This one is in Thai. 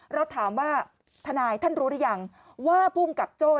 เราถามว่าทนายท่านรู้หรือยังว่าภูมิกับโจ้